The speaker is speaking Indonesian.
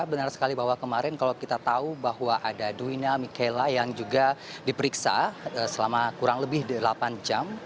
benar sekali bahwa kemarin kalau kita tahu bahwa ada duwina michela yang juga diperiksa selama kurang lebih delapan jam